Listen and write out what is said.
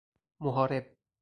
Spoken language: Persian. محارب